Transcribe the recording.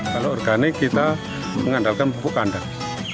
kalau organik kita mengandalkan pupuk kandang